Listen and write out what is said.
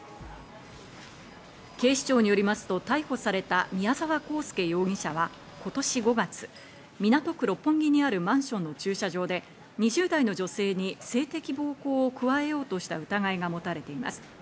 警視庁によりますと逮捕された宮沢公佑容疑者は今年５月、港区六本木にあるマンションの駐車場で２０代の女性に性的暴行を加えようとした疑いがもたれています。